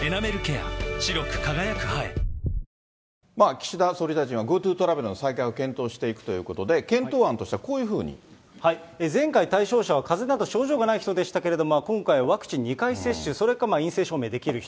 岸田総理大臣はＧｏＴｏトラベルの再開を検討していくということで、前回、対象者はかぜなど症状がない人でしたけれども、今回、ワクチン２回接種、それか陰性証明できる人。